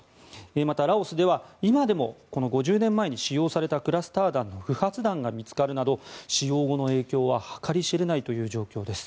また、ラオスでは今でも５０年前に使用されたクラスター弾の不発弾が見つかるなど使用後の影響は計り知れないという状況です。